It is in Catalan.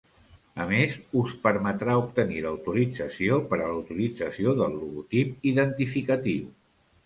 A més, us permetrà obtenir l'autorització per a la utilització del logotip identificatiu.